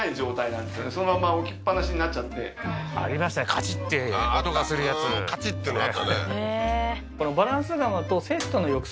カチッて音がするやつカチッていうのあったね